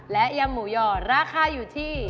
และยำหมูหย่อราคาอยู่ที่